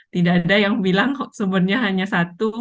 tidak ada yang bilang sumbernya hanya satu